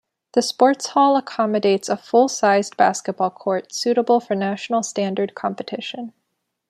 The sportshall accommodates a full-sized basketball court suitable for national standard competition.